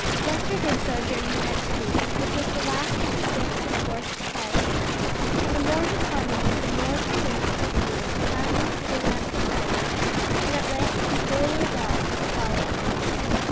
Lester did so during the next week, which was the last of the six of enforced quietude, and the more he pondered it, the more convinced was he of the soundness of his aunt's advice, and at length he fully resolved to follow it.